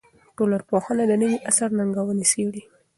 ټولنپوهنه د نوي عصر ننګونې څېړي.